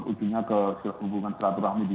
ujungnya ke hubungan selaturahmi di